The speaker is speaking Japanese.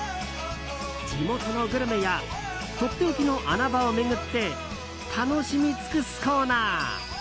地元のグルメやとっておきの穴場を巡って楽しみ尽くすコーナー。